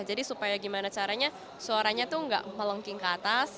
jadi supaya gimana caranya suaranya tuh gak melongking ke atas